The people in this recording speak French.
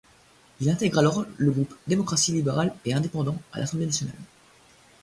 Il intègre alors le groupe Démocratie Libérale et Indépendants à l'Assemblée Nationale.